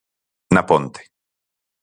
Na Ponte.